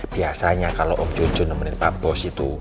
biasanya kalau om jojo nemenin pak bos itu